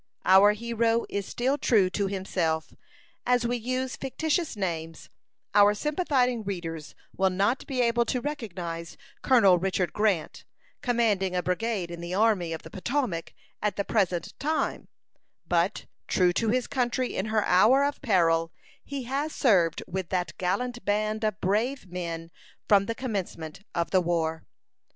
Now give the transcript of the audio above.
Our hero is still true to himself. As we use fictitious names, our sympathizing readers will not be able to recognize Colonel Richard Grant, commanding a brigade in the Army of the Potomac, at the present time; but, true to his country in her hour of peril, he has served with that gallant band of brave men from the commencement of the war.